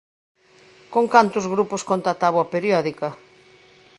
Con cantos grupos conta a táboa periódica?